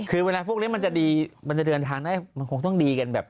คือพวกเราจะเดินทางได้มันคงต้องดีแบบ